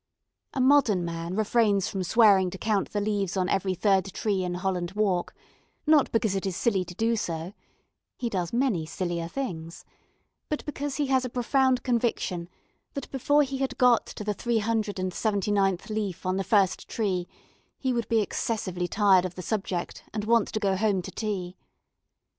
A modern man refrains from swearing to count the leaves on every third tree in Holland Walk, not because it is silly to do so (he does many sillier things), but because he has a profound conviction that before he had got to the three hundred and seventy ninth leaf on the first tree he would be excessively tired of the subject and want to go home to tea.